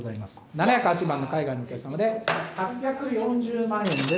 ７０８番海外のお客様で８４０万円です。